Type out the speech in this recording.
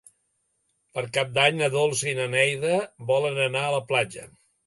Per Cap d'Any na Dolça i na Neida volen anar a la platja.